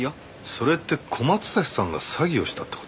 それって小松崎さんが詐欺をしたって事？